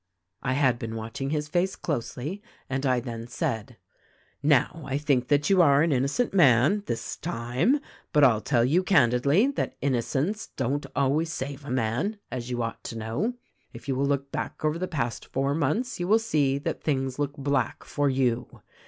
"I had been watching his face closely and I then said: 'Now, I think that you are an innocent man — this time ; but I'll tell you candidly that innocence don't always save a man — as you ought to know. If you will look back over the past four months you will see that things look black for you.